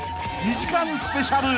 ［２時間スペシャル］